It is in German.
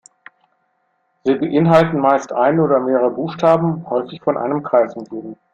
Sie beinhalten meist einen oder mehrere Buchstaben, häufig von einem Kreis umgeben.